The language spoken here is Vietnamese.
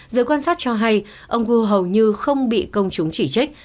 giới quan sát cho hay ông gu hầu như không bị công chúng chỉ trích